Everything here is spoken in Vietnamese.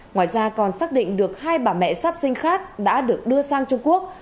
ngoài ra còn xác định được hai bà mẹ sắp sinh khác đã được đưa sang trung quốc